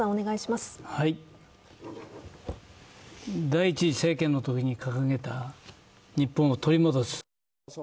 第１次政権のときに掲げた日本を取り戻す。